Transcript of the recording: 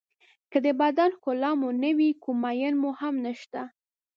که د بدن ښکلا مو نه وي کوم مېن مو هم نشته.